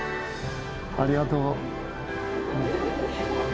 ありがとう。